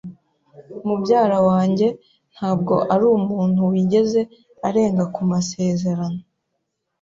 Mubyara wanjye ntabwo arumuntu wigeze arenga ku masezerano.